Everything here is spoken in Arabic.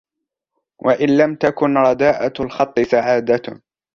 وَإِنْ لَمْ تَكُنْ رَدَاءَةُ الْخَطِّ سَعَادَةً